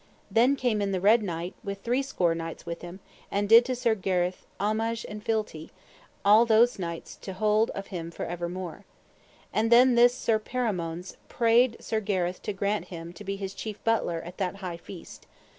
Then came in the Red Knight, with three score knights with him, and did to Sir Gareth homage and fealty, and all those knights to hold of him for evermore. And then this Sir Perimones prayed Sir Gareth to grant him to be his chief butler at that high feast.